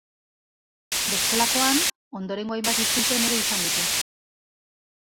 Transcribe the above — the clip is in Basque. Bestelakoan, ondorengo hainbat itzulpen ere izan ditu.